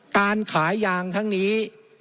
การขายยางทั้งนี้